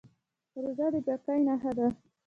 روژه د پاکۍ نښه ده.